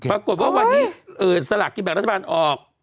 ปรากฏว่าวันนี้สลากกินแบบรัฐบาลออก